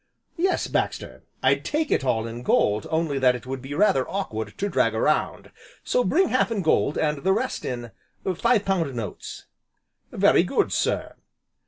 "Yes, Baxter, I'd take it all in gold only that it would be rather awkward to drag around. So bring half in gold, and the rest in five pound notes." "Very good, sir!"